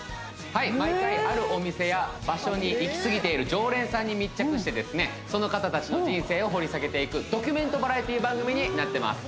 毎回あるお店や場所にイキスギている常連さんに密着してその方たちの人生を掘り下げていくドキュメントバラエティー番組になってます